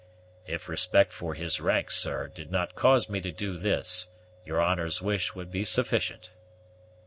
"If respect for his rank, sir, did not cause me to do this, your honor's wish would be sufficient."